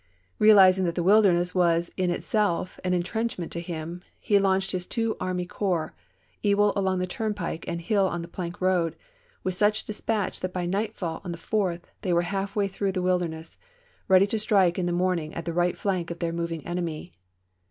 Realizing that the Wilderness was in itself an intrenchment to him, he launched his two army corps — Ewell along the turnpike and Hill on the plank road — with such dispatch that by nightfall on the 4th they were half way through the Wilder A.^L.°L9ng, ness, ready to strike in the morning at the right flank *'of""'^ of their moving enemy.